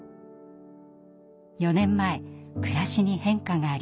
４年前暮らしに変化がありました。